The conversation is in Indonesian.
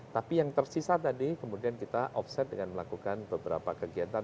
tapi yang tersisa tadi kemudian kita offset dengan melakukan beberapa kegiatan